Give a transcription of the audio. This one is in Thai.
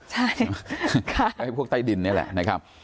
ใช่ไอ้พวกใต้ดินนี่แหละนะครับ